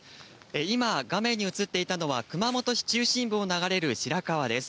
今、画面に映っていたのは熊本市中心部を流れる白川です。